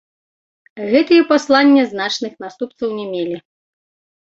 Гэтыя паслання значных наступстваў не мелі.